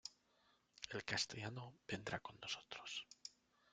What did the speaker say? El castellano vendrá con nosotros.